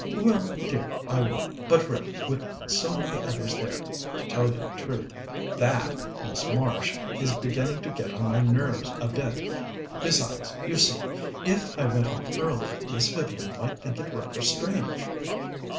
"Well, dear, I would, but really, with so many others there to tell you the truth, that Miss Marsh is beginning to get on my nerves a bit. Besides, you see, if I went off early, Miss Vivian might think it rather strange."